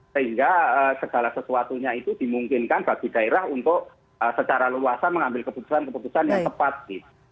sehingga segala sesuatunya itu dimungkinkan bagi daerah untuk secara luas mengambil keputusan keputusan yang tepat gitu